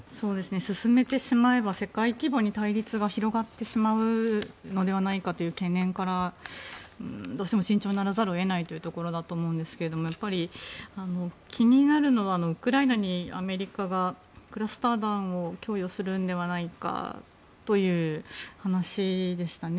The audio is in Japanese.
進めてしまえば世界規模に対立が広まってしまうのではないかという懸念からどうしても慎重にならざるを得ないというところだと思うんですが気になるのはウクライナにアメリカがクラスター弾を供与するのではないかという話でしたね。